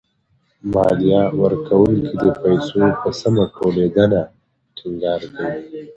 ماليه ورکوونکي د پيسو په سمه ټولېدنه ټېنګار کوي.